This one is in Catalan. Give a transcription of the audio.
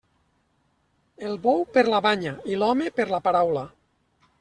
El bou per la banya, i l'home per la paraula.